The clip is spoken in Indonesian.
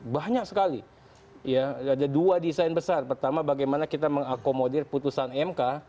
banyak sekali ada dua desain besar pertama bagaimana kita mengakomodir putusan mk